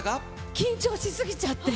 緊張しすぎちゃって。